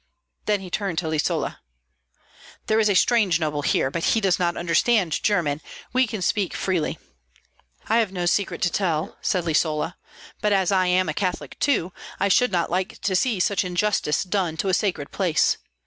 Then he turned to Lisola. "There is a strange noble here, but he does not understand German; we can speak freely." "I have no secret to tell," said Lisola; "but as I am a Catholic too, I should not like to see such injustice done to a sacred place.